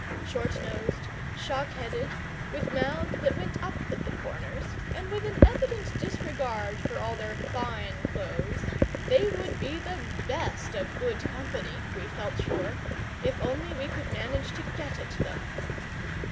Short nosed, shock headed, with mouths that went up at the corners and with an evident disregard for all their fine clothes, they would be the best of good company, we felt sure, if only we could manage to get at them.